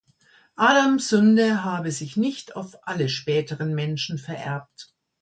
Adams Sünde habe sich nicht auf alle späteren Menschen vererbt.